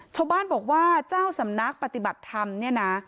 ชาวบ้านบอกว่าเจ้าสำนักปฏิบัติธรรมเนี่ยนะ